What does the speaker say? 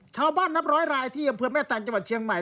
นับร้อยรายที่อำเภอแม่แตงจังหวัดเชียงใหม่